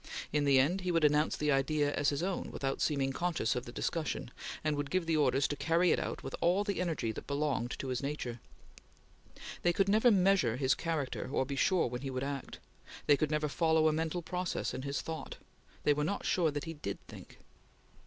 In the end, he would announce the idea as his own, without seeming conscious of the discussion; and would give the orders to carry it out with all the energy that belonged to his nature. They could never measure his character or be sure when he would act. They could never follow a mental process in his thought. They were not sure that he did think.